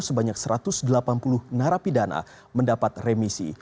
sebanyak satu ratus delapan puluh narapidana mendapat remisi